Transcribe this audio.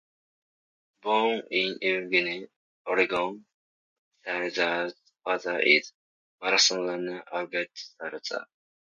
Born in Eugene, Oregon, Salazar's father is marathon runner Alberto Salazar.